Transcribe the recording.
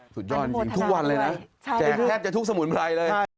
สุดยอดจริงทุกวันเลยนะแจกแทบจะทุกสมุนไพรเลย